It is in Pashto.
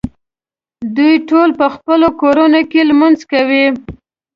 دوی ټول په خپلو کورونو کې لمونځ کوي.